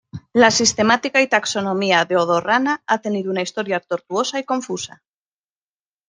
La sistemática y taxonomía de "Odorrana" ha tenido una historia tortuosa y confusa.